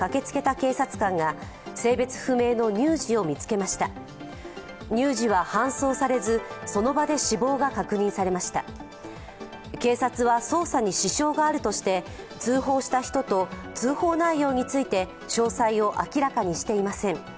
警察は捜査に支障があるとして通報した人と通報内容について詳細を明らかにしていません。